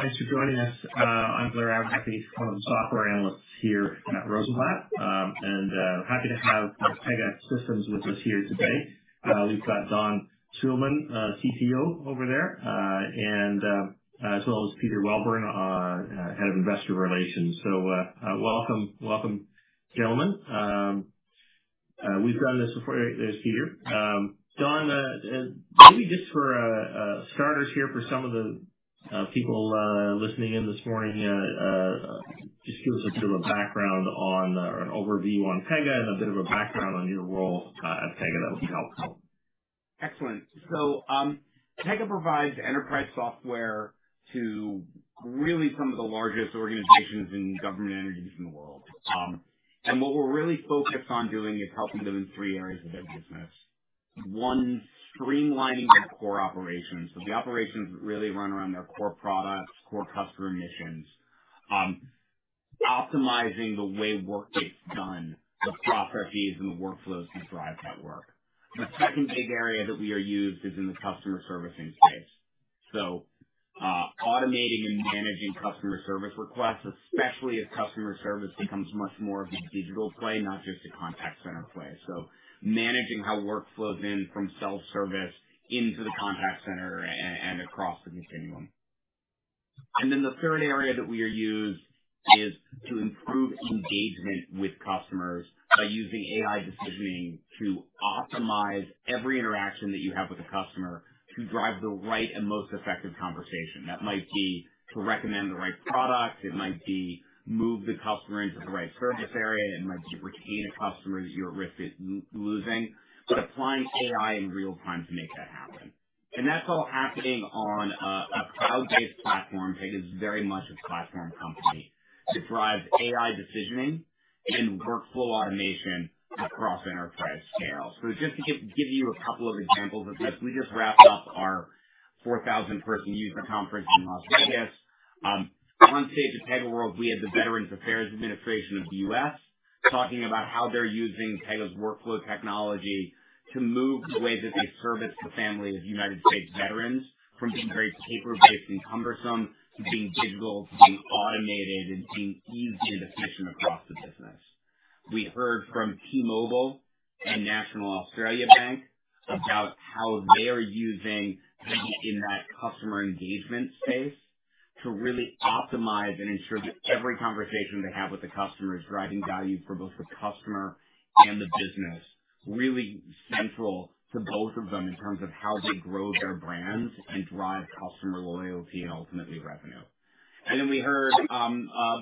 Good morning, everyone. Thanks for joining us. I'm Larry Adams, one of the software analysts here at Rosenblatt, and I'm happy to have Pegasystems with us here today. We've got Don Schuerman, CTO, over there, as well as Peter Welburn, Head of Investor Relations. So welcome, gentlemen. We've done this before. There's Peter. Don, maybe just for starters here for some of the people listening in this morning, just give us a bit of a background on or an overview on Pega and a bit of a background on your role at Pega. That would be helpful. Excellent. So Pega provides enterprise software to really some of the largest organizations and government entities in the world. What we're really focused on doing is helping them in three areas of their business. One, streamlining their core operations. So the operations really run around their core products, core customer missions, optimizing the way work gets done, the processes, and the workflows to drive that work. The second big area that we are used in is the customer servicing space. So automating and managing customer service requests, especially as customer service becomes much more of a digital play, not just a contact center play. So managing how work flows in from self-service into the contact center and across the continuum. And then the third area that we are used is to improve engagement with customers by using AI Decisioning to optimize every interaction that you have with a customer to drive the right and most effective conversation. That might be to recommend the right product. It might be to move the customer into the right service area. It might be to retain a customer that you're at risk of losing, but applying AI in real time to make that happen. And that's all happening on a cloud-based platform. Pega is very much a platform company that drives AI Decisioning and workflow automation across enterprise scale. So just to give you a couple of examples of this, we just wrapped up our 4,000-person user conference in Las Vegas. On stage at PegaWorld, we had the U.S. Department of Veterans Affairs talking about how they're using Pega's workflow technology to move the way that they service the families of United States veterans from being very paper-based and cumbersome to being digital, to being automated, and being easy and efficient across the business. We heard from T-Mobile and National Australia Bank about how they are using Pega in that customer engagement space to really optimize and ensure that every conversation they have with the customer is driving value for both the customer and the business, really central to both of them in terms of how they grow their brands and drive customer loyalty and ultimately revenue. And then we heard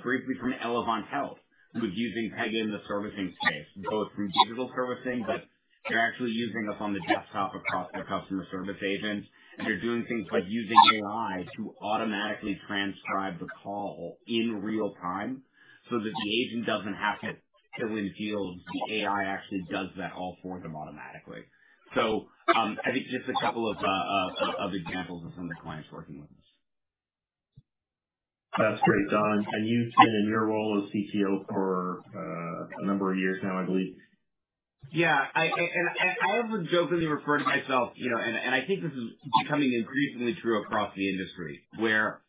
briefly from Elevance Health, who's using Pega in the servicing space, both from digital servicing, but they're actually using us on the desktop across their customer service agents. They're doing things like using AI to automatically transcribe the call in real time so that the agent doesn't have to fill in fields. The AI actually does that all for them automatically. I think just a couple of examples of some of the clients working with us. That's great, Don. You've been in your role as CTO for a number of years now, I believe. Yeah. I have a joke that I refer to myself, and I think this is becoming increasingly true across the industry, where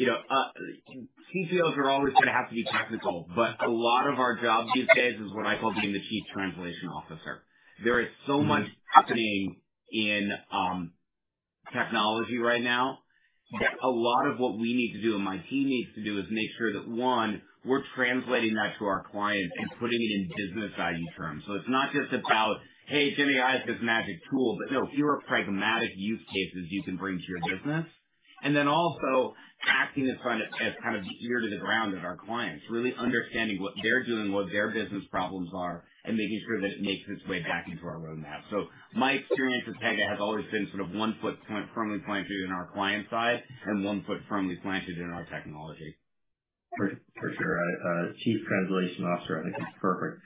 CTOs are always going to have to be technical, but a lot of our job these days is what I call being the chief translation officer. There is so much happening in technology right now that a lot of what we need to do and my team needs to do is make sure that, one, we're translating that to our clients and putting it in business value terms. So it's not just about, "Hey, Jimmy, I have this magic tool," but, "No, here are pragmatic use cases you can bring to your business," and then also acting as kind of the ear to the ground of our clients, really understanding what they're doing, what their business problems are, and making sure that it makes its way back into our roadmap. So my experience at Pega has always been sort of one foot firmly planted in our client side and one foot firmly planted in our technology. For sure. Chief Translation Officer, I think, is perfect,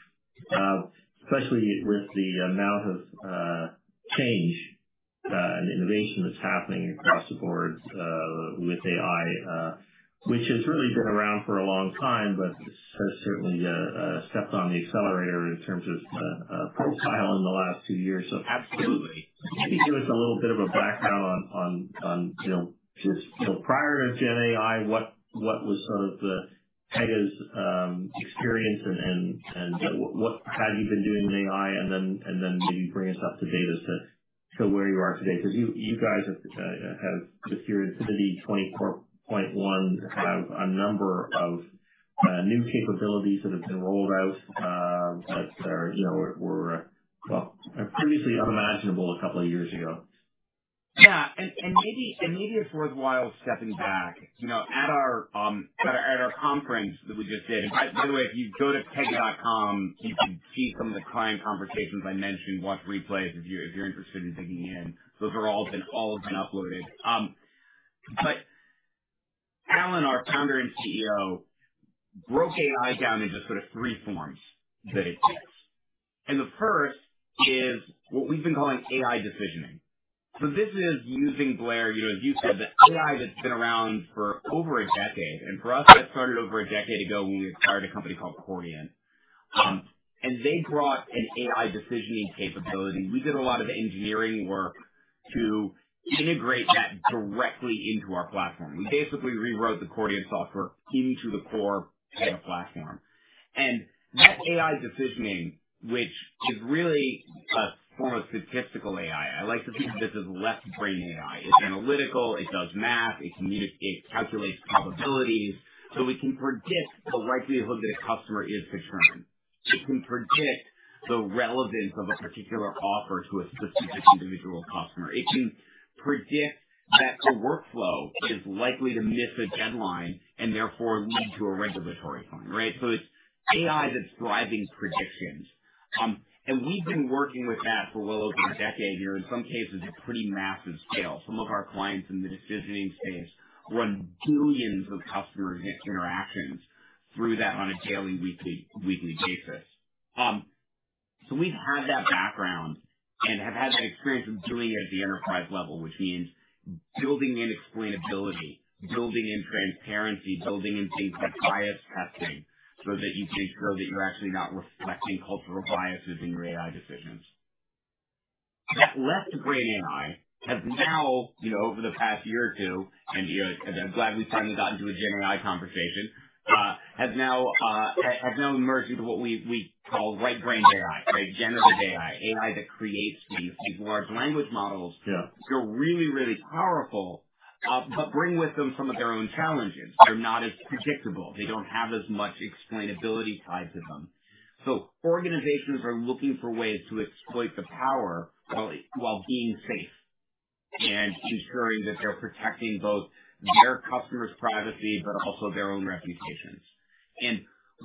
especially with the amount of change and innovation that's happening across the board with AI, which has really been around for a long time, but has certainly stepped on the accelerator in terms of profile in the last few years. So I think give us a little bit of a background on just prior to GenAI, what was sort of Pega's experience, and how have you been doing in AI, and then maybe bring us up to date as to where you are today. Because you guys have, with your Infinity 24.1, have a number of new capabilities that have been rolled out that were, well, previously unimaginable a couple of years ago. Yeah. Maybe it's worthwhile stepping back. At our conference that we just did, and by the way, if you go to pega.com, you can see some of the client conversations I mentioned, watch replays if you're interested in digging in. Those have all been uploaded. But Alan, our founder and CEO, broke AI down into sort of three forms that it takes. And the first is what we've been calling AI Decisioning. So this is using Blair, as you said, the AI that's been around for over a decade. And for us, that started over a decade ago when we acquired a company called Chordiant. And they brought an AI Decisioning capability. We did a lot of engineering work to integrate that directly into our platform. We basically rewrote the Chordiant software into the core data platform. That AI Decisioning, which is really a form of statistical AI, I like to think of this as left-brain AI. It's analytical. It does math. It calculates probabilities. So it can predict the likelihood that a customer is to churn. It can predict the relevance of a particular offer to a specific individual customer. It can predict that the workflow is likely to miss a deadline and therefore lead to a regulatory fine, right? So it's AI that's driving predictions. And we've been working with that for well over a decade here, in some cases at pretty massive scale. Some of our clients in the decisioning space run billions of customer interactions through that on a daily, weekly basis. So we've had that background and have had that experience of doing it at the enterprise level, which means building in explainability, building in transparency, building in things like bias testing so that you can show that you're actually not reflecting cultural biases in your AI decisions. That left-brain AI has now, over the past year or two, and I'm glad we finally got into a GenAI conversation, has now emerged into what we call right-brain AI, right? Generative AI, AI that creates these large language models that are really, really powerful but bring with them some of their own challenges. They're not as predictable. They don't have as much explainability tied to them. So organizations are looking for ways to exploit the power while being safe and ensuring that they're protecting both their customers' privacy but also their own reputations.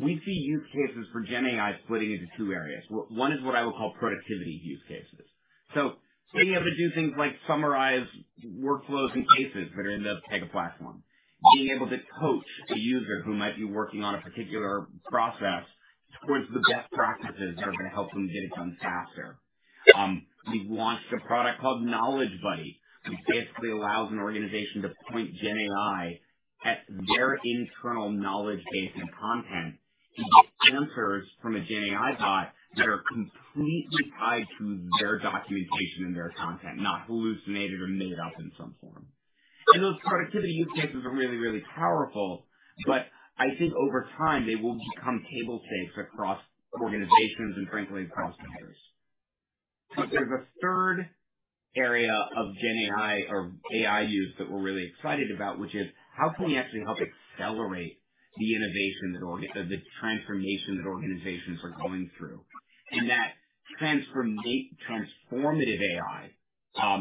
We see use cases for GenAI splitting into two areas. One is what I would call productivity use cases. Being able to do things like summarize workflows and cases that are in the Pega platform, being able to coach a user who might be working on a particular process towards the best practices that are going to help them get it done faster. We've launched a product called Knowledge Buddy, which basically allows an organization to point GenAI at their internal knowledge base and content and get answers from a GenAI bot that are completely tied to their documentation and their content, not hallucinated or made up in some form. Those productivity use cases are really, really powerful, but I think over time they will become table stakes across organizations and, frankly, across vendors. But there's a third area of GenAI or AI use that we're really excited about, which is how can we actually help accelerate the innovation, the transformation that organizations are going through? And that transformative AI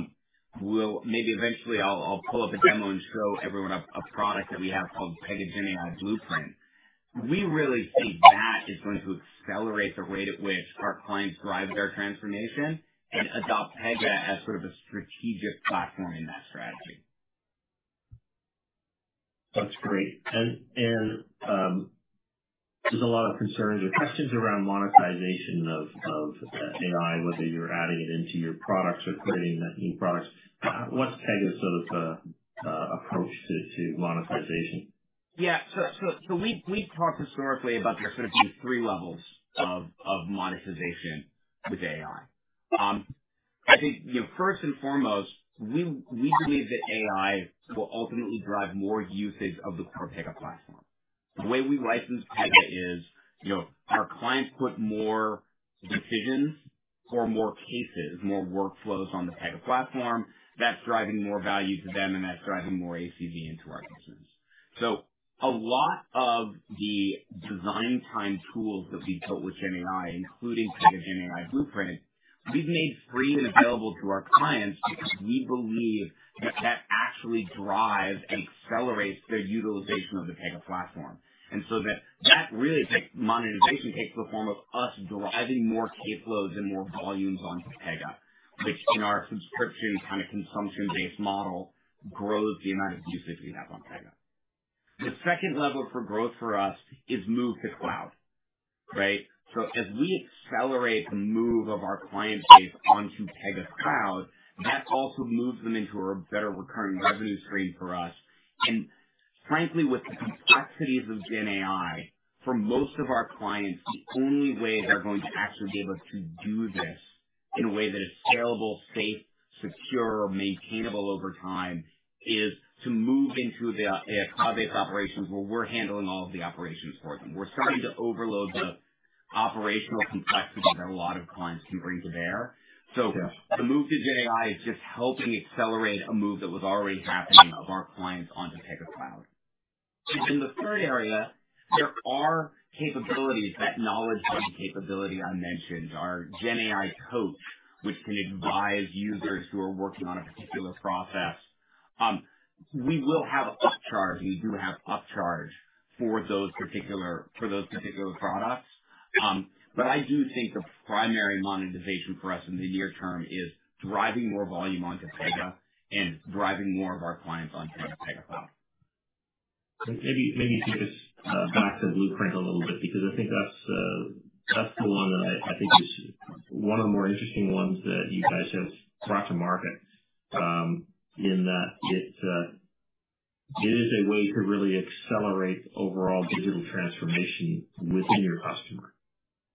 will maybe eventually I'll pull up a demo and show everyone a product that we have called Pega GenAI Blueprint. We really think that is going to accelerate the rate at which our clients drive their transformation and adopt Pega as sort of a strategic platform in that strategy. That's great. There's a lot of concerns or questions around monetization of AI, whether you're adding it into your products or creating new products. What's Pega's sort of approach to monetization? Yeah. So we've talked historically about there's going to be three levels of monetization with AI. I think first and foremost, we believe that AI will ultimately drive more usage of the core Pega platform. The way we license Pega is our clients put more decisions or more cases, more workflows on the Pega platform. That's driving more value to them, and that's driving more ACV into our business. So a lot of the design time tools that we built with GenAI, including Pega GenAI Blueprint, we've made free and available to our clients because we believe that that actually drives and accelerates their utilization of the Pega platform. And so that really monetization takes the form of us driving more caseloads and more volumes onto Pega, which in our subscription kind of consumption-based model grows the amount of usage we have on Pega. The second level for growth for us is move to cloud, right? So as we accelerate the move of our client base onto Pega Cloud, that also moves them into a better recurring revenue stream for us. And frankly, with the complexities of GenAI, for most of our clients, the only way they're going to actually be able to do this in a way that is scalable, safe, secure, or maintainable over time is to move into a cloud-based operations where we're handling all of the operations for them. We're starting to overload the operational complexities that a lot of clients can bring to bear. So the move to GenAI is just helping accelerate a move that was already happening of our clients onto Pega Cloud. And then the third area, there are capabilities, that knowledge-based capability I mentioned, our GenAI Coach, which can advise users who are working on a particular process. We will have upcharge. We do have upcharge for those particular products. But I do think the primary monetization for us in the near term is driving more volume onto Pega and driving more of our clients onto Pega Cloud. Maybe take us back to Blueprint a little bit because I think that's the one that I think is one of the more interesting ones that you guys have brought to market in that it is a way to really accelerate overall digital transformation within your customer.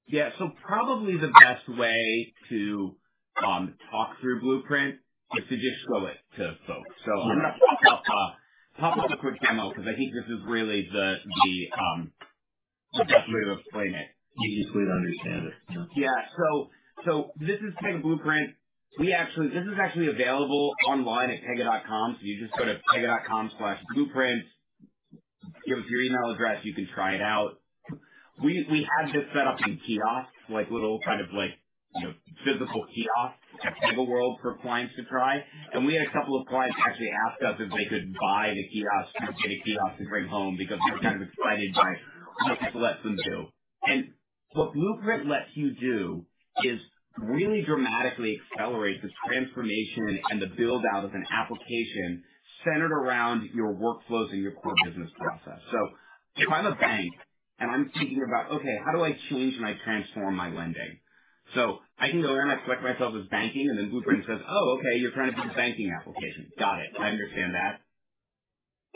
Yeah. So probably the best way to talk through Blueprint is to just show it to folks. So I'm going to pop up a quick demo because I think this is really the best way to explain it. Easiest way to understand it. Yeah. So this is Pega Blueprint. This is actually available online at pega.com. So you just go to pega.com/blueprint, give us your email address. You can try it out. We had this set up in kiosks, little kind of physical kiosks at PegaWorld for clients to try. And we had a couple of clients actually ask us if they could buy the kiosk, get a kiosk to bring home because they're kind of excited by what this lets them do. And what Blueprint lets you do is really dramatically accelerate the transformation and the build-out of an application centered around your workflows and your core business process. So if I'm a bank and I'm thinking about, "Okay, how do I change and I transform my lending?" So I can go in, I select myself as banking, and then Blueprint says, "Oh, okay, you're trying to do the banking application. Got it. I understand that.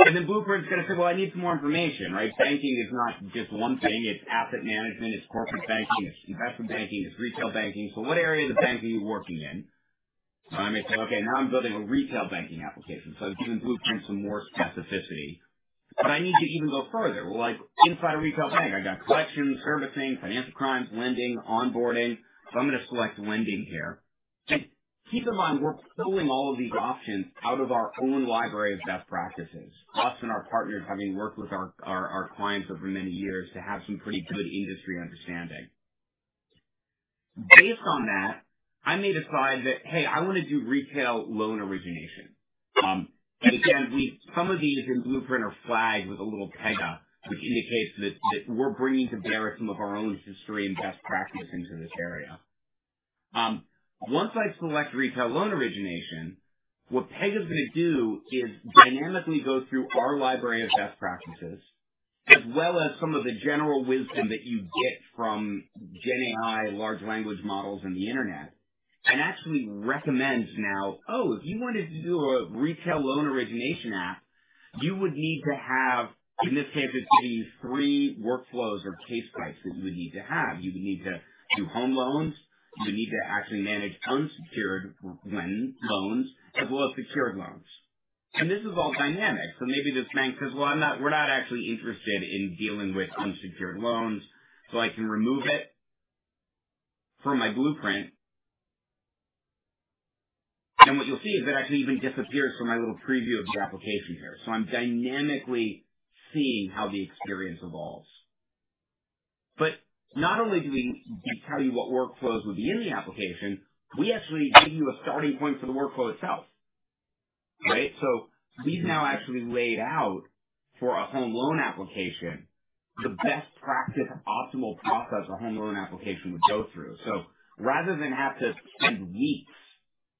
And then Blueprint's going to say, "Well, I need some more information," right? Banking is not just one thing. It's asset management. It's corporate banking. It's investment banking. It's retail banking. So what area of the bank are you working in? I may say, "Okay, now I'm building a retail banking application." So I've given Blueprint some more specificity. But I need to even go further. Well, inside a retail bank, I've got collections, servicing, financial crimes, lending, onboarding. So I'm going to select lending here. And keep in mind, we're pulling all of these options out of our own library of best practices, us and our partners having worked with our clients over many years to have some pretty good industry understanding. Based on that, I may decide that, "Hey, I want to do retail loan origination." And again, some of these in Blueprint are flagged with a little Pega, which indicates that we're bringing to bear some of our own history and best practice into this area. Once I select retail loan origination, what Pega is going to do is dynamically go through our library of best practices, as well as some of the general wisdom that you get from GenAI, large language models on the internet, and actually recommends now, "Oh, if you wanted to do a retail loan origination app, you would need to have, in this case, it's going to be three workflows or case types that you would need to have. You would need to do home loans. You would need to actually manage unsecured loans as well as secured loans." And this is all dynamic. So maybe this bank says, "Well, we're not actually interested in dealing with unsecured loans." So I can remove it from my Blueprint. And what you'll see is that actually even disappears from my little preview of the application here. So I'm dynamically seeing how the experience evolves. But not only do we tell you what workflows would be in the application, we actually give you a starting point for the workflow itself, right? So we've now actually laid out for a home loan application the best practice, optimal process a home loan application would go through. So rather than have to spend weeks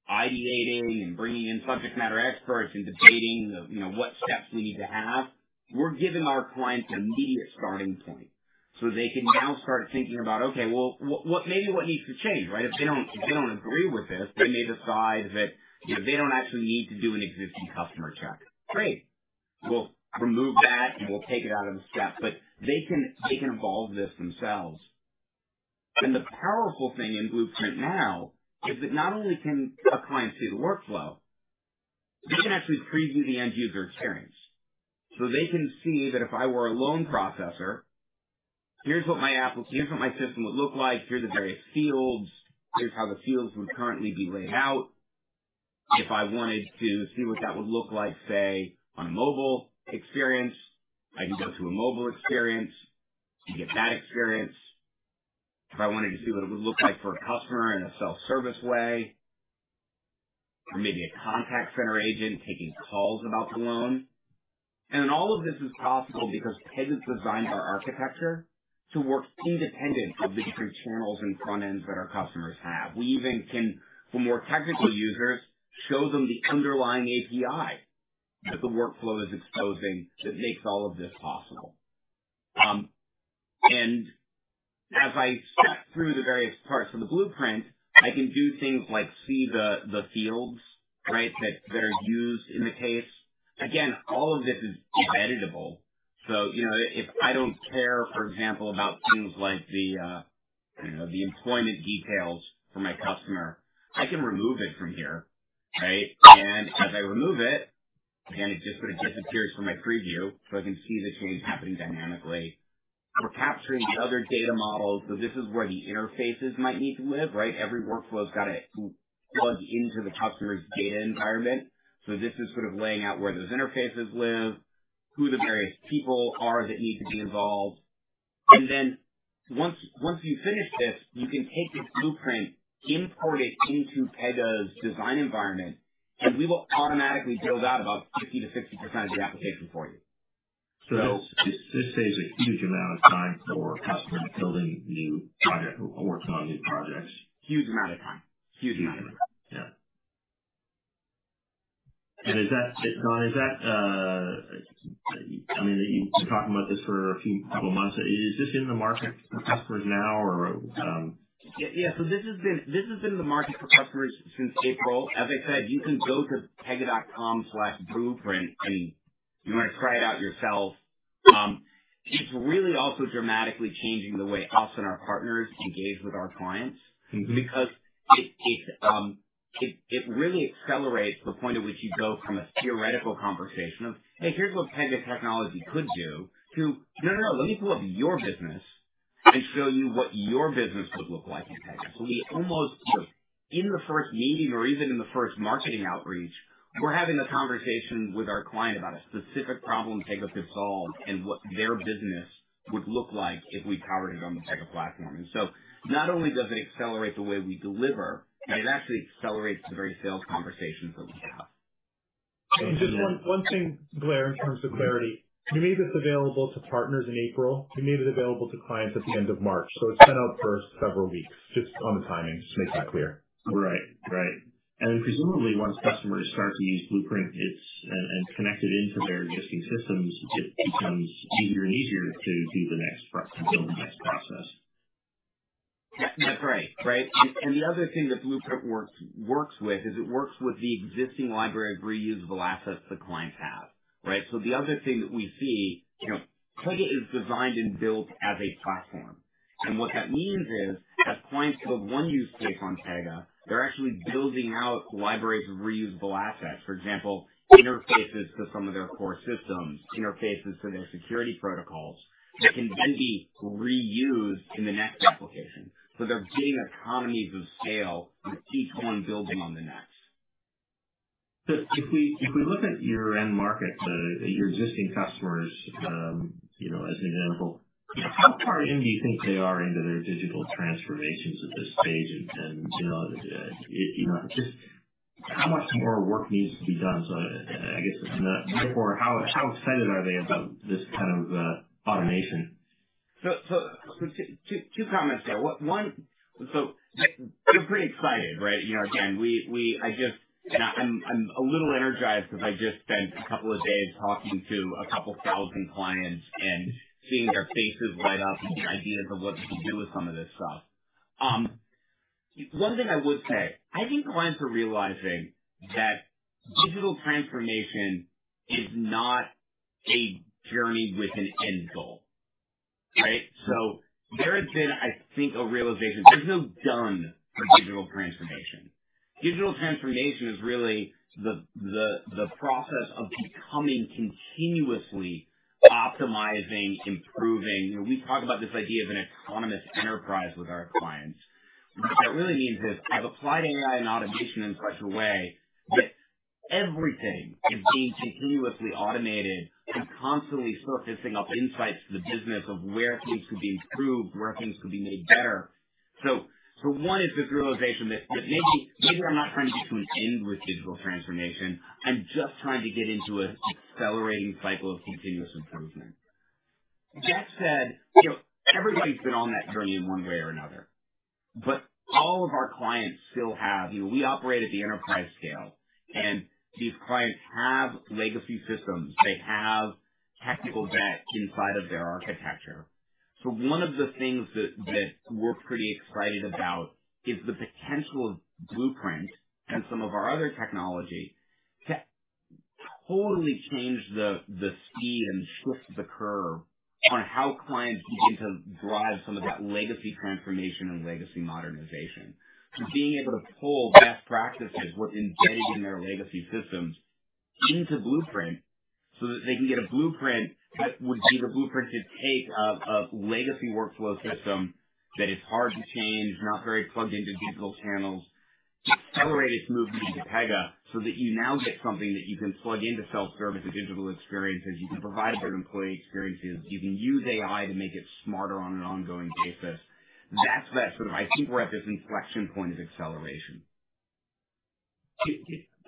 ideating and bringing in subject matter experts and debating what steps we need to have, we're giving our clients an immediate starting point so they can now start thinking about, "Okay, well, maybe what needs to change, right? If they don't agree with this, they may decide that they don't actually need to do an existing customer check. Great. We'll remove that and we'll take it out of the step." But they can evolve this themselves. And the powerful thing in Blueprint now is that not only can a client see the workflow, they can actually preview the end user experience. So they can see that if I were a loan processor, here's what my system would look like. Here are the various fields. Here's how the fields would currently be laid out. If I wanted to see what that would look like, say, on a mobile experience, I can go to a mobile experience and get that experience. If I wanted to see what it would look like for a customer in a self-service way or maybe a contact center agent taking calls about the loan. And all of this is possible because Pega's designed our architecture to work independent of the different channels and front ends that our customers have. We even can, for more technical users, show them the underlying API that the workflow is exposing that makes all of this possible. And as I step through the various parts of the Blueprint, I can do things like see the fields, right, that are used in the case. Again, all of this is editable. So if I don't care, for example, about things like the employment details for my customer, I can remove it from here, right? And as I remove it, again, it just sort of disappears from my preview so I can see the change happening dynamically. We're capturing the other data models. So this is where the interfaces might need to live, right? Every workflow's got to plug into the customer's data environment. So this is sort of laying out where those interfaces live, who the various people are that need to be involved. And then once you finish this, you can take this Blueprint, import it into Pega's design environment, and we will automatically build out about 50%-60% of the application for you. This saves a huge amount of time for customers building new projects or working on new projects. Huge amount of time. Huge amount of time. Yeah. And is that, Don, is that? I mean, you've been talking about this for a couple of months. Is this in the market for customers now, or? Yeah. So this has been in the market for customers since April. As I said, you can go to Pega.com/blueprint and you want to try it out yourself. It's really also dramatically changing the way us and our partners engage with our clients because it really accelerates the point at which you go from a theoretical conversation of, "Hey, here's what Pega technology could do," to, "No, no, no. Let me pull up your business and show you what your business would look like in Pega." So we almost, in the first meeting or even in the first marketing outreach, we're having a conversation with our client about a specific problem Pega could solve and what their business would look like if we powered it on the Pega platform. And so not only does it accelerate the way we deliver, but it actually accelerates the very sales conversations that we have. Just one thing, Blair, in terms of clarity. We made this available to partners in April. We made it available to clients at the end of March. It's been out for several weeks, just on the timing, just to make that clear. Right. Right. And then presumably, once customers start to use Blueprint and connect it into their existing systems, it becomes easier and easier to do the next and build the next process. That's right, right? And the other thing that Blueprint works with is it works with the existing library of reusable assets the clients have, right? So the other thing that we see, Pega is designed and built as a platform. And what that means is, as clients build one use case on Pega, they're actually building out libraries of reusable assets, for example, interfaces to some of their core systems, interfaces to their security protocols that can then be reused in the next application. So they're getting economies of scale and keeps on building on the next. If we look at your end market, your existing customers, as an example, how far in do you think they are into their digital transformations at this stage? Just how much more work needs to be done? I guess, therefore, how excited are they about this kind of automation? Two comments there. One, so they're pretty excited, right? Again, I just—and I'm a little energized because I just spent a couple of days talking to 2,000 clients and seeing their faces light up and some ideas of what we can do with some of this stuff. One thing I would say, I think clients are realizing that digital transformation is not a journey with an end goal, right? So there has been, I think, a realization. There's no done for digital transformation. Digital transformation is really the process of becoming continuously optimizing, improving. We talk about this idea of an autonomous enterprise with our clients. What that really means is I've applied AI and automation in such a way that everything is being continuously automated and constantly surfacing up insights to the business of where things could be improved, where things could be made better. So one is this realization that maybe I'm not trying to get to an end with digital transformation. I'm just trying to get into an accelerating cycle of continuous improvement. That said, everybody's been on that journey in one way or another. But all of our clients still have, we operate at the enterprise scale, and these clients have legacy systems. They have technical debt inside of their architecture. So one of the things that we're pretty excited about is the potential of Blueprint and some of our other technology to totally change the speed and shift the curve on how clients begin to drive some of that legacy transformation and legacy modernization. So being able to pull best practices with embedded in their legacy systems into Blueprint so that they can get a Blueprint that would be the Blueprint to take a legacy workflow system that is hard to change, not very plugged into digital channels, accelerate its movement into Pega so that you now get something that you can plug into self-service and digital experiences. You can provide better employee experiences. You can use AI to make it smarter on an ongoing basis. That's that sort of—I think we're at this inflection point of acceleration.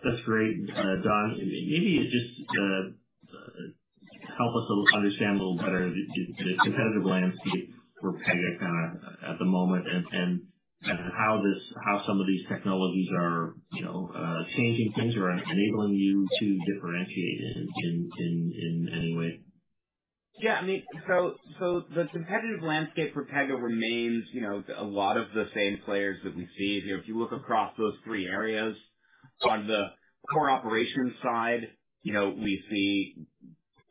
That's great, Don. Maybe just help us understand a little better the competitive landscape for Pega kind of at the moment and how some of these technologies are changing things or enabling you to differentiate in any way. Yeah. I mean, so the competitive landscape for Pega remains a lot of the same players that we see. If you look across those three areas, on the core operations side, we see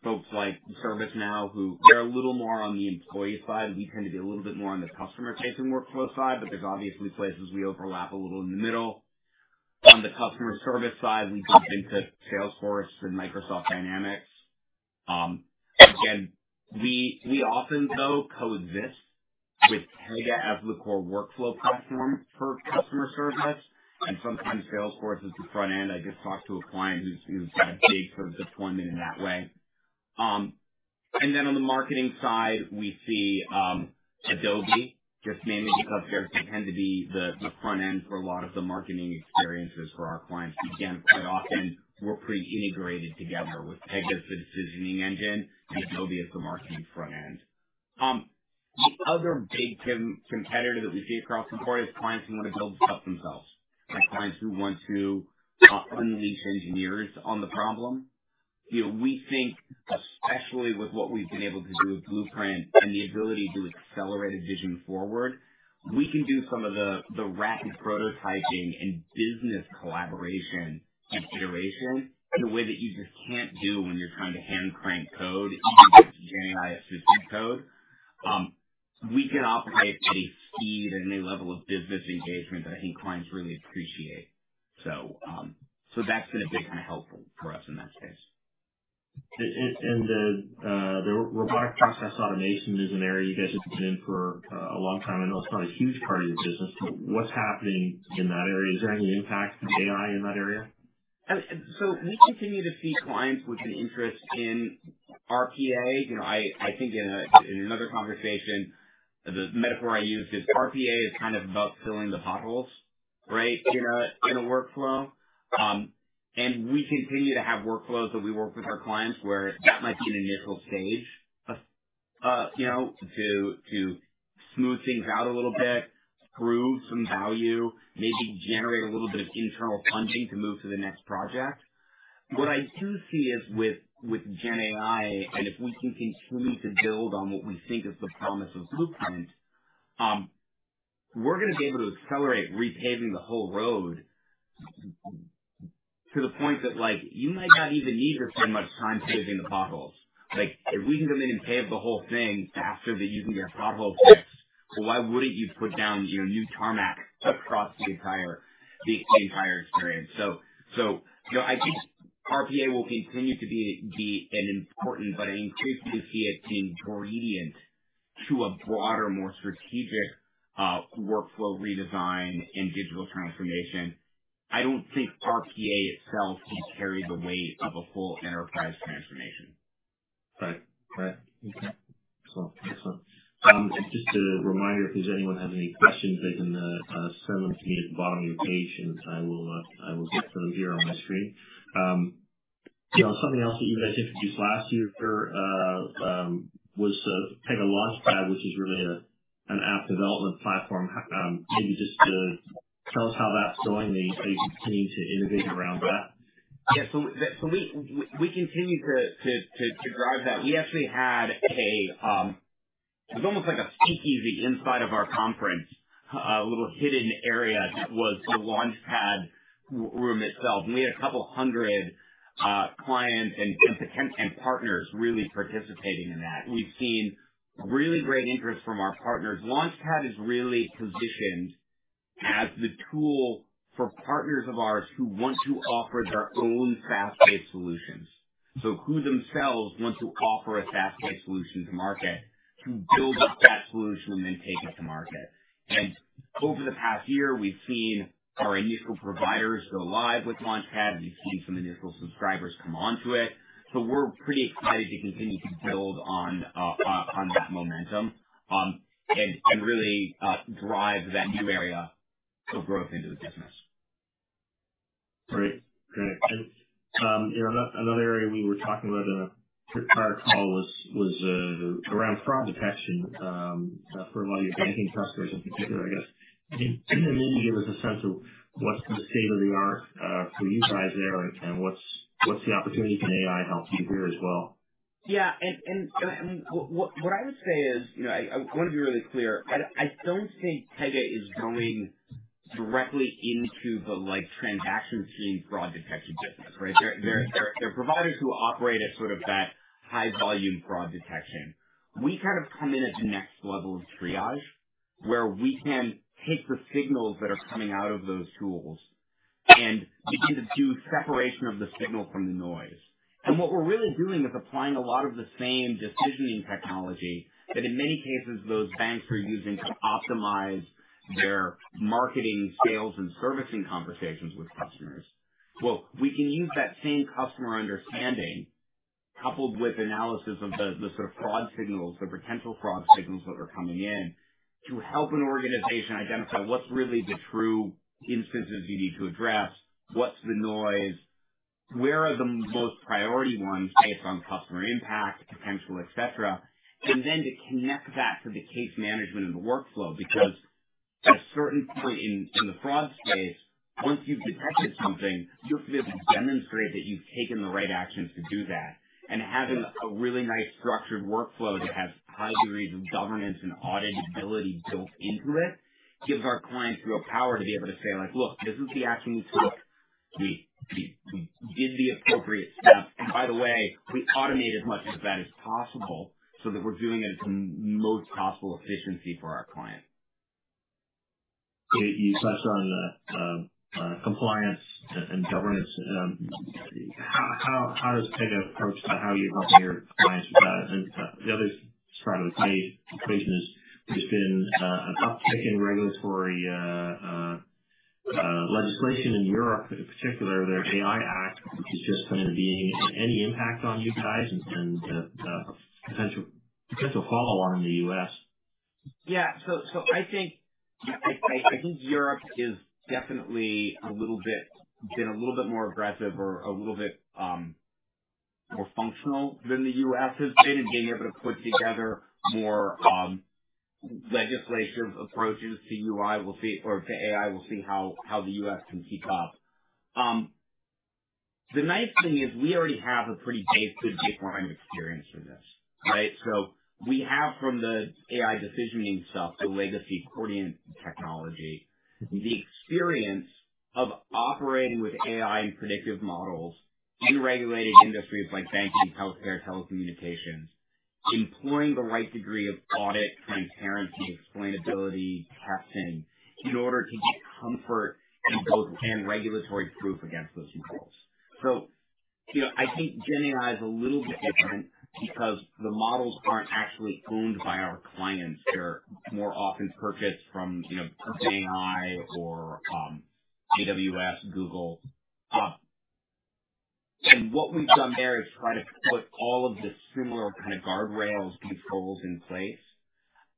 folks like ServiceNow who are a little more on the employee side. We tend to be a little bit more on the customer-facing workflow side, but there's obviously places we overlap a little in the middle. On the customer service side, we jump into Salesforce and Microsoft Dynamics. Again, we often, though, coexist with Pega as the core workflow platform for customer service. And sometimes Salesforce is the front end. I just talked to a client who's had big sort of deployment in that way. And then on the marketing side, we see Adobe just managing stuff there. They tend to be the front end for a lot of the marketing experiences for our clients. Again, quite often, we're pretty integrated together with Pega as the decisioning engine and Adobe as the marketing front end. The other big competitor that we see across the board is clients who want to build stuff themselves, like clients who want to unleash engineers on the problem. We think, especially with what we've been able to do with Blueprint and the ability to accelerate a vision forward, we can do some of the rapid prototyping and business collaboration consideration in a way that you just can't do when you're trying to hand crank code and use GenAI assistant code. We can operate at a speed and a level of business engagement that I think clients really appreciate. So that's been a big kind of help for us in that space. The robotic process automation is an area you guys have been in for a long time. I know it's not a huge part of your business. What's happening in that area? Is there any impact from AI in that area? So we continue to see clients with an interest in RPA. I think in another conversation, the metaphor I used is RPA is kind of about filling the potholes, right, in a workflow. And we continue to have workflows that we work with our clients where that might be an initial stage to smooth things out a little bit, prove some value, maybe generate a little bit of internal funding to move to the next project. What I do see is with GenAI, and if we can continue to build on what we think is the promise of Blueprint, we're going to be able to accelerate repaving the whole road to the point that you might not even need to spend much time paving the potholes. If we can come in and pave the whole thing faster than you can get potholes fixed, well, why wouldn't you put down new tarmac across the entire experience? So I think RPA will continue to be an important, but I increasingly see it being adjacent to a broader, more strategic workflow redesign and digital transformation. I don't think RPA itself can carry the weight of a full enterprise transformation. Right. Right. Okay. Excellent. Excellent. Just a reminder, if anyone has any questions, they can send them to me at the bottom of your page, and I will get to them here on my screen. Something else that you guys introduced last year was Pega Launchpad, which is really an app development platform. Maybe just tell us how that's going, how you continue to innovate around that. Yeah. So we continue to drive that. We actually had a—it was almost like a speakeasy inside of our conference, a little hidden area that was the Launchpad room itself. And we had a couple hundred clients and partners really participating in that. We've seen really great interest from our partners. Launchpad is really positioned as the tool for partners of ours who want to offer their own fast-paced solutions. So who themselves want to offer a fast-paced solution to market, to build up that solution and then take it to market. And over the past year, we've seen our initial providers go live with Launchpad. We've seen some initial subscribers come onto it. So we're pretty excited to continue to build on that momentum and really drive that new area of growth into the business. Great. Great. And another area we were talking about in a prior call was around fraud detection for a lot of your banking customers in particular, I guess. Can you maybe give us a sense of what's the state of the art for you guys there, and what's the opportunity? Can AI help you here as well? Yeah. What I would say is I want to be really clear. I don't think Pega is going directly into the transaction-chain fraud detection business, right? They're providers who operate at sort of that high-volume fraud detection. We kind of come in at the next level of triage where we can take the signals that are coming out of those tools and begin to do separation of the signal from the noise. And what we're really doing is applying a lot of the same decisioning technology that in many cases those banks are using to optimize their marketing, sales, and servicing conversations with customers. Well, we can use that same customer understanding coupled with analysis of the sort of fraud signals, the potential fraud signals that are coming in, to help an organization identify what's really the true instances you need to address, what's the noise, where are the most priority ones based on customer impact, potential, etc., and then to connect that to the case management and the workflow. Because at a certain point in the fraud space, once you've detected something, you have to be able to demonstrate that you've taken the right actions to do that. And having a really nice structured workflow that has high degrees of governance and auditability built into it gives our clients real power to be able to say, "Look, this is the action we took. We did the appropriate steps. And by the way, we automate as much of that as possible so that we're doing it at the most possible efficiency for our client. You touched on compliance and governance. How does Pega approach how you're helping your clients with that? And the other side of the equation is there's been an uptick in regulatory legislation in Europe, in particular, their AI Act, which has just come into being. Any impact on you guys and potential follow-on in the U.S.? Yeah. So I think Europe has definitely been a little bit more aggressive or a little bit more functional than the U.S. has been in being able to put together more legislative approaches to AI or to AI. We'll see how the U.S. can keep up. The nice thing is we already have a pretty good baseline experience for this, right? So we have from the AI decisioning stuff, the legacy Chordiant technology, the experience of operating with AI and predictive models in regulated industries like banking, healthcare, telecommunications, employing the right degree of audit, transparency, explainability, testing in order to get comfort and regulatory proof against those models. So I think GenAI is a little bit different because the models aren't actually owned by our clients. They're more often purchased from OpenAI or AWS, Google. And what we've done there is try to put all of the similar kind of guardrails, controls in place.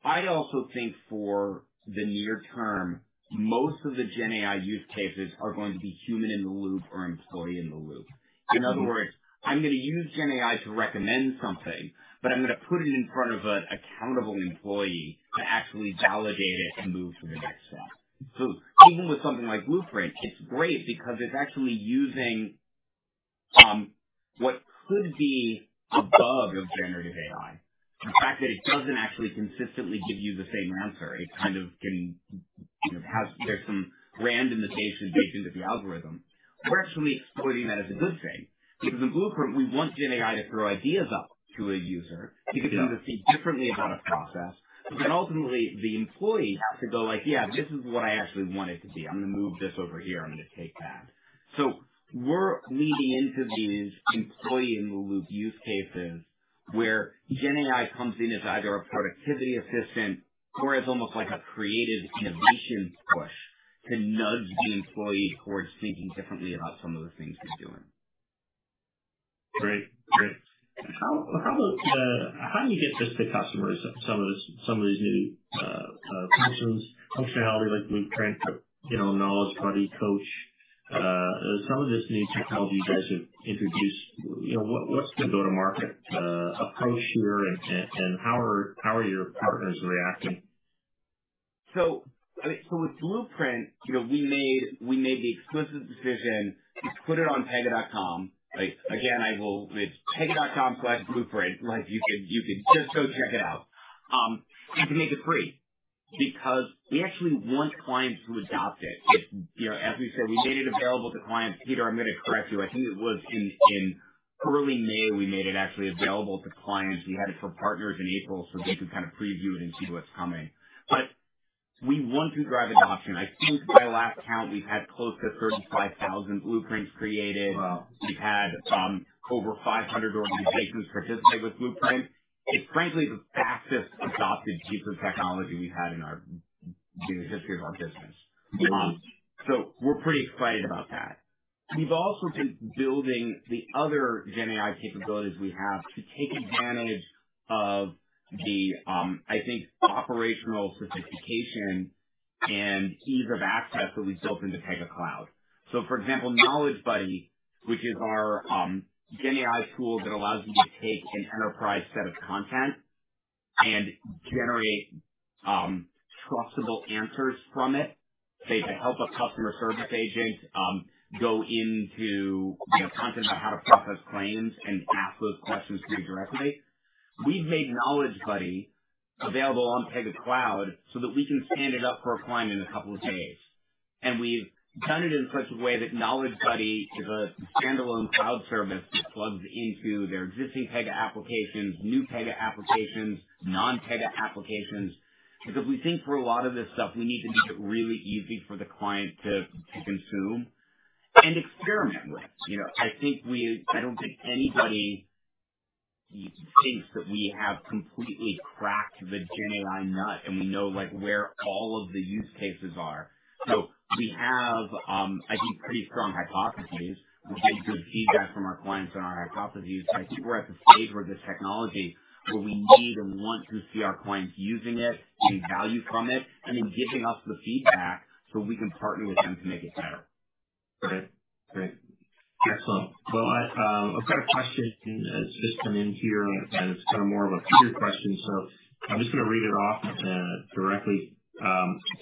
I also think for the near term, most of the GenAI use cases are going to be human in the loop or employee in the loop. In other words, I'm going to use GenAI to recommend something, but I'm going to put it in front of an accountable employee to actually validate it and move to the next step. So even with something like Blueprint, it's great because it's actually using what could be a bug of generative AI. The fact that it doesn't actually consistently give you the same answer. It kind of can have some randomization baked into the algorithm. We're actually exploiting that as a good thing because in Blueprint, we want GenAI to throw ideas up to a user to get them to think differently about a process. But then ultimately, the employee has to go like, "Yeah, this is what I actually want it to be. I'm going to move this over here. I'm going to take that." So we're leaning into these employee-in-the-loop use cases where GenAI comes in as either a productivity assistant or as almost like a creative innovation push to nudge the employee towards thinking differently about some of the things we're doing. Great. Great. How do you get this to customers? Some of these new functionality like Blueprint, Knowledge Buddy, Coach, some of this new technology you guys have introduced, what's the go-to-market approach here and how are your partners reacting? So with Blueprint, we made the explicit decision to put it on pega.com. Again, it's pega.com/blueprint. You can just go check it out. We can make it free because we actually want clients to adopt it. As we say, we made it available to clients. Peter, I'm going to correct you. I think it was in early May we made it actually available to clients. We had it for partners in April so they could kind of preview it and see what's coming. But we want to drive adoption. I think by last count, we've had close to 35,000 Blueprints created. We've had over 500 organizations participate with Blueprint. It's frankly the fastest adopted piece of technology we've had in the history of our business. So we're pretty excited about that. We've also been building the other GenAI capabilities we have to take advantage of the, I think, operational sophistication and ease of access that we've built into Pega Cloud. So for example, Knowledge Buddy, which is our GenAI tool that allows you to take an enterprise set of content and generate trustable answers from it, say, to help a customer service agent go into content about how to process claims and ask those questions pretty directly. We've made Knowledge Buddy available on Pega Cloud so that we can stand it up for a client in a couple of days. And we've done it in such a way that Knowledge Buddy is a standalone cloud service that plugs into their existing Pega applications, new Pega applications, non-Pega applications. Because we think for a lot of this stuff, we need to make it really easy for the client to consume and experiment with. I don't think anybody thinks that we have completely cracked the GenAI nut and we know where all of the use cases are. So we have, I think, pretty strong hypotheses. We get good feedback from our clients on our hypotheses. I think we're at the stage where this technology we need and want to see our clients using it, getting value from it, and then giving us the feedback so we can partner with them to make it better. Great. Great. Excellent. Well, I've got a question that's just come in here, and it's kind of more of a Peter question. I'm just going to read it off directly.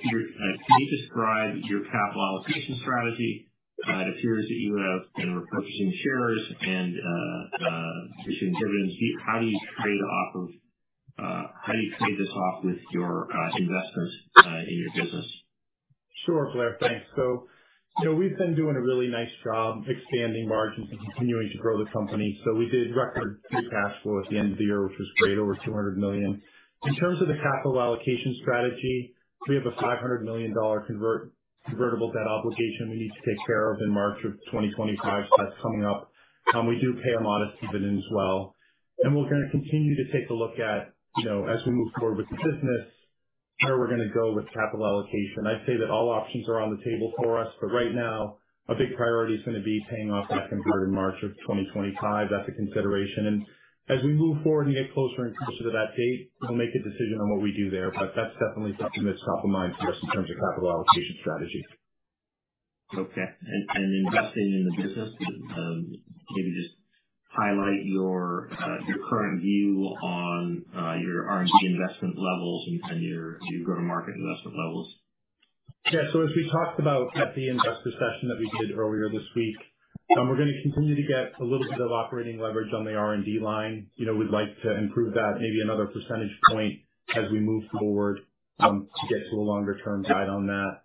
Peter, can you describe your capital allocation strategy? It appears that you have been repurchasing shares and issuing dividends. How do you trade this off with your investments in your business? Sure, Blair, thanks. So we've been doing a really nice job expanding margins and continuing to grow the company. So we did record free cash flow at the end of the year, which was great, over $200 million. In terms of the capital allocation strategy, we have a $500 million convertible debt obligation we need to take care of in March of 2025, so that's coming up. We do pay a modest dividend as well. And we're going to continue to take a look at, as we move forward with the business, where we're going to go with capital allocation. I'd say that all options are on the table for us, but right now, a big priority is going to be paying off that convertible in March of 2025. That's a consideration. As we move forward and get closer and closer to that date, we'll make a decision on what we do there. That's definitely something that's top of mind for us in terms of capital allocation strategy. Okay. Investing in the business, maybe just highlight your current view on your R&D investment levels and your go-to-market investment levels. Yeah. So as we talked about at the investor session that we did earlier this week, we're going to continue to get a little bit of operating leverage on the R&D line. We'd like to improve that maybe another percentage point as we move forward to get to a longer-term guide on that.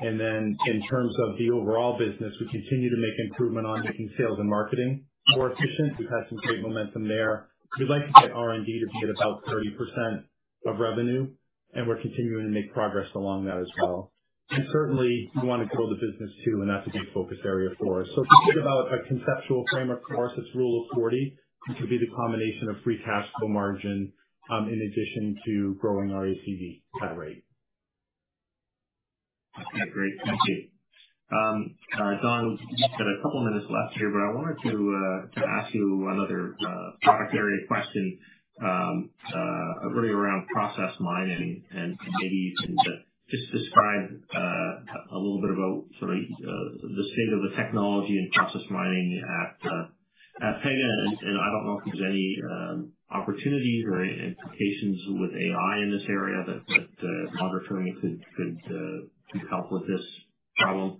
And then in terms of the overall business, we continue to make improvement on making sales and marketing more efficient. We've had some great momentum there. We'd like to get R&D to be at about 30% of revenue, and we're continuing to make progress along that as well. And certainly, we want to grow the business too, and that's a big focus area for us. So if you think about a conceptual framework for us, it's Rule of 40, which would be the combination of free cash flow margin in addition to growing our ACV growth rate. Okay. Great. Thank you. Don, we've got a couple of minutes left here, but I wanted to ask you another product area question really around Process Mining and maybe just describe a little bit about sort of the state of the technology and Process Mining at Pega. And I don't know if there's any opportunities or implications with AI in this area that monitoring it could help with this problem.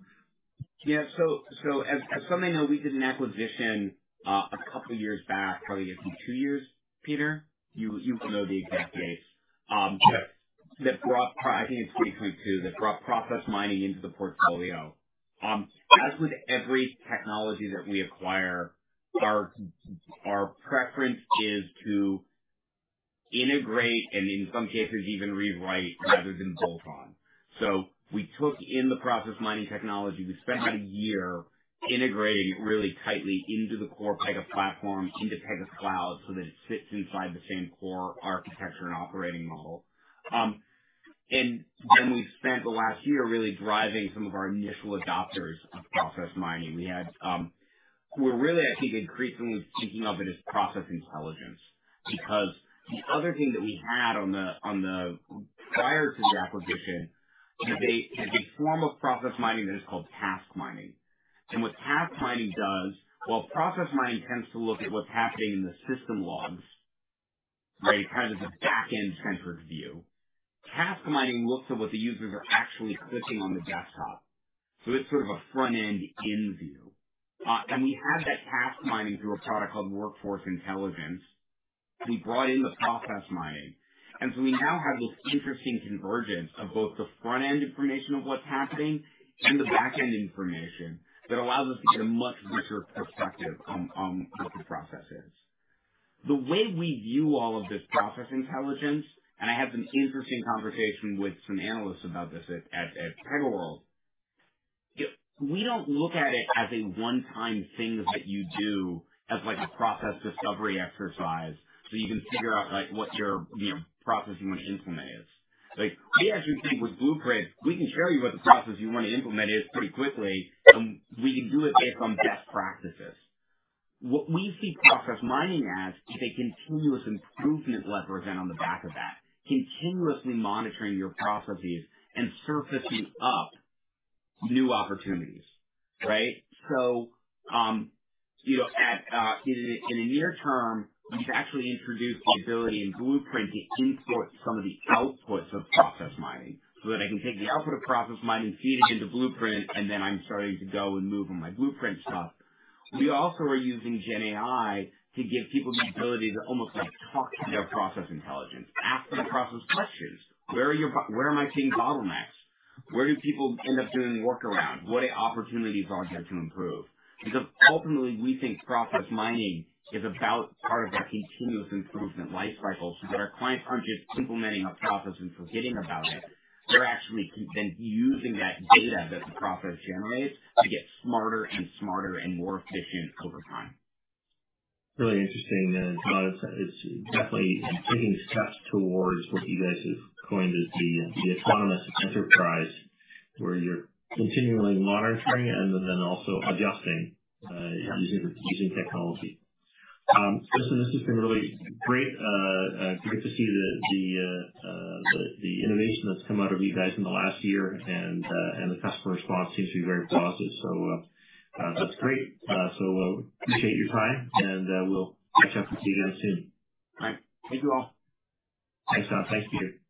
Yeah. So as some may know, we did an acquisition a couple of years back, probably two years, Peter. You will know the exact dates. I think it's 2022 that brought process mining into the portfolio. As with every technology that we acquire, our preference is to integrate and in some cases even rewrite rather than bolt on. So we took in the process mining technology. We spent about a year integrating it really tightly into the core Pega Platform, into Pega Cloud so that it sits inside the same core architecture and operating model. And then we've spent the last year really driving some of our initial adopters of process mining. We're really, I think, increasingly thinking of it as process intelligence because the other thing that we had prior to the acquisition is a form of process mining that is called task mining. What Task Mining does, while Process Mining tends to look at what's happening in the system logs, right, it kind of is a back-end-centric view. Task Mining looks at what the users are actually clicking on the desktop. So it's sort of a front-end-centric view. And we had that Task Mining through a product called Workforce Intelligence. We brought in the Process Mining. And so we now have this interesting convergence of both the front-end information of what's happening and the back-end information that allows us to get a much richer perspective on what the process is. The way we view all of this process intelligence, and I had some interesting conversation with some analysts about this at PegaWorld, we don't look at it as a one-time thing that you do as a process discovery exercise so you can figure out what your process you want to implement is. We actually think with Blueprint, we can show you what the process you want to implement is pretty quickly, and we can do it based on best practices. What we see process mining as is a continuous improvement lever then on the back of that, continuously monitoring your processes and surfacing up new opportunities, right? In the near term, we've actually introduced the ability in Blueprint to import some of the outputs of process mining so that I can take the output of process mining, feed it into Blueprint, and then I'm starting to go and move on my Blueprint stuff. We also are using GenAI to give people the ability to almost talk to their process intelligence, ask them process questions. Where am I seeing bottlenecks? Where do people end up doing workarounds? What opportunities are there to improve? Because ultimately, we think process mining is about part of our continuous improvement life cycle so that our clients aren't just implementing a process and forgetting about it. They're actually then using that data that the process generates to get smarter and smarter and more efficient over time. Really interesting. It's definitely taking steps towards what you guys have coined as the Autonomous Enterprise where you're continually monitoring and then also adjusting using technology. So this has been really great to get to see the innovation that's come out of you guys in the last year, and the customer response seems to be very positive. So that's great. So appreciate your time, and we'll catch up with you again soon. All right. Thank you all. Thanks, Don. Thanks, Peter.